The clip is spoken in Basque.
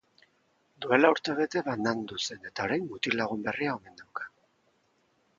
Duela urte bete banandu zen eta orain mutil-lagun berria omen dauka.